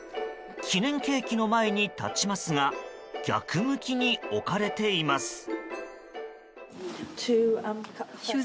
記念ケーキの前に立ちますが逆向きに置かれています。